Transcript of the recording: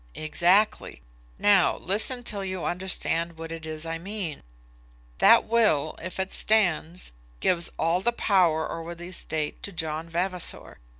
"Exactly. Now listen till you understand what it is I mean. That will, if it stands, gives all the power over the estate to John Vavasor.